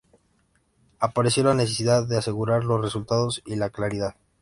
Apareció la necesidad de asegurar los resultados y la claridad.